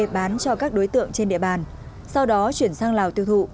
bán cho các đối tượng trên địa bàn sau đó chuyển sang lào tiêu thụ